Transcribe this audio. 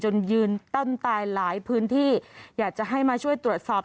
ยืนต้นตายหลายพื้นที่อยากจะให้มาช่วยตรวจสอบ